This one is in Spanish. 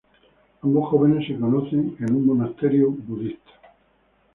Ambos jóvenes se conocen en un Monasterio Budista.